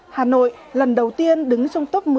hà nội lần đầu tiên đứng trong top một